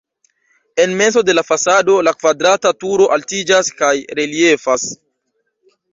En mezo de la fasado la kvadrata turo altiĝas kaj reliefas.